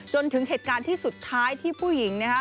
จนถึงเหตุการณ์ที่สุดท้ายที่ผู้หญิงนะคะ